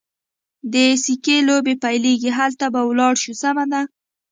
د سکې لوبې پیلېږي، هلته به ولاړ شو، سمه ده.